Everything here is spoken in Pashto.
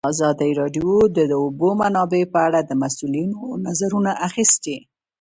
ازادي راډیو د د اوبو منابع په اړه د مسؤلینو نظرونه اخیستي.